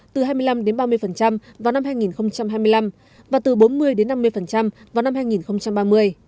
từ hai mươi năm ba mươi vào năm hai nghìn hai mươi năm và từ bốn mươi năm mươi vào năm hai nghìn ba mươi